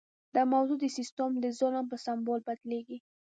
دا موضوع د سیستم د ظلم په سمبول بدلیږي.